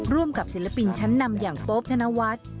ร่วมกับศิลปินชั้นนำอย่างโป๊บธนวัฒน์